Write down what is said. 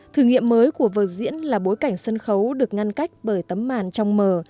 thử nghiệm mới của vở diễn là bối cảnh sân khấu được ngăn cách bởi tấm màn trong mờ